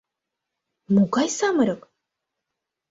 Могай самырык?